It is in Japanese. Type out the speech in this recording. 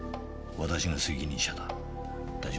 私が責任者だ。